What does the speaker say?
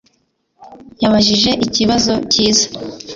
yabajije ikibazo cyiza